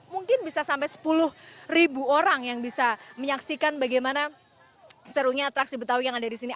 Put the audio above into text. mungkin bisa sampai sepuluh orang yang bisa menyaksikan bagaimana serunya atraksi betawi yang ada di sini